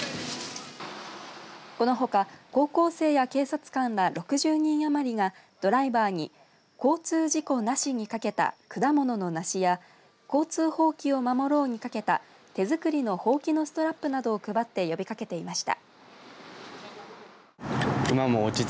このほか高校生や警察官ら６０人余りがドライバーに交通事故なしにかけた果物の梨や交通法規を守ろうにかけた手作りのほうきのストラップなどを配って呼びかけていました。